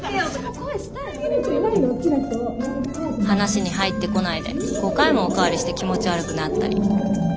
話に入ってこないで５回もお代わりして気持ち悪くなったり。